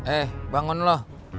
eh bangun lu